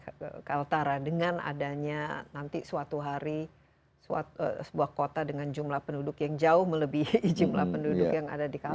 atau kaltara dengan adanya nanti suatu hari sebuah kota dengan jumlah penduduk yang jauh melebihi jumlah penduduk yang ada di kalta